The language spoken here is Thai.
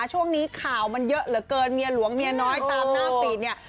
ช่วงนี้ข่าวมันเยอะเหลือเกินเมียหลวงเมียน้อยตามหน้าฟีดเนี่ย